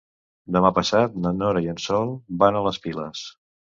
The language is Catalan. Demà passat na Nora i en Sol van a les Piles.